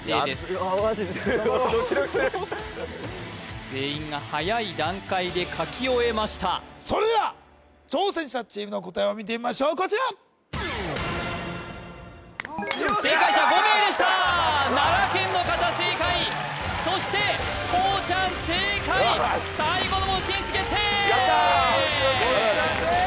いやマジでドキドキする全員がはやい段階で書き終えましたそれでは挑戦者チームの答えを見てみましょうこちら正解者５名でした奈良県の方正解そしてこうちゃん正解やったー！ありがとうございます